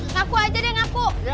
ngaku aja deh ngaku